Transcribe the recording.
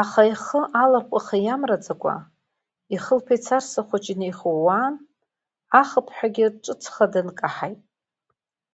Аха, ихы аларҟәыха иамраӡакәа, ихылԥа еицарса хәыҷы неихууаан, ахыԥҳәагьы ҿыцха дынкаҳаит.